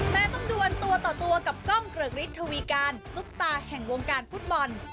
ต้องดวนตัวต่อตัวกับกล้องเกริกฤทธวีการซุปตาแห่งวงการฟุตบอล